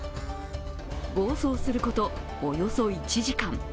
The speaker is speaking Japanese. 暴走すること、およそ１時間。